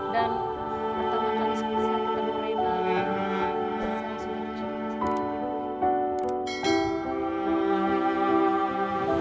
dan pertama kali saya ketemu reina